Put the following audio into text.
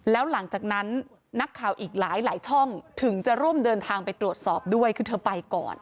แล้วหลังจากนั้นนักข่าวอีกหลายช่องถึงจะร่วมเดินทางไปตรวจสอบด้วยคือเธอไปก่อน